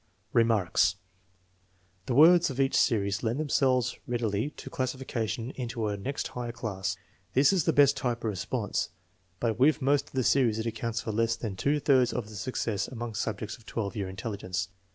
Remarks. The words of each series lend themselves read ily to classification, into a next higher class. This is the best type of response, but with most of the series it accounts for less than two thirds of the successes among subjects of 12 year intelligence.